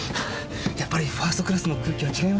やっぱりファーストクラスの空気は違いますね。